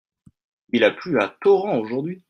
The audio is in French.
Il a plu a torrent aujourd'hui.